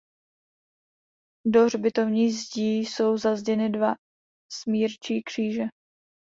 Do hřbitovní zdi jsou zazděny dva smírčí kříže.